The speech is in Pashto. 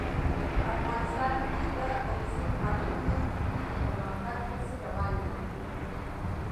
افغانستان کې د اوبزین معدنونه د پرمختګ هڅې روانې دي.